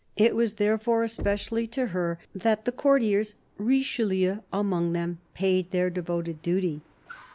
It was therefore especially to her that the courtiers, Richelieu among them, paid their devoted duty.